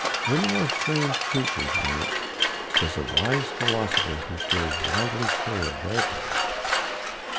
Women are strange creatures, wench 'tis a wise philosopher who steers widely clear of their path."